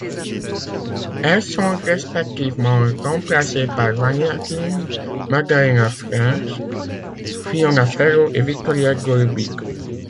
Elles sont respectivement remplacées par Vania King, Magdalena Fręch, Fiona Ferro et Viktorija Golubic.